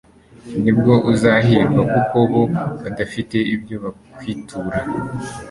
ni bwo uzahirwa kuko bo badafite ibyo bakwitura